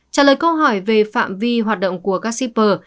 trả lời câu hỏi về phạm vi hoạt động của các shipper